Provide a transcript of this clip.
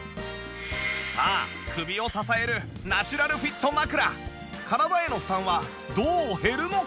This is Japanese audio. さあ首を支えるナチュラルフィット枕体への負担はどう減るのか？